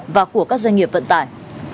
và của các doanh nghiệp vận tải